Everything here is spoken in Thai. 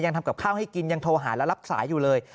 ทำกับข้าวให้กินยังโทรหาและรับสายอยู่เลย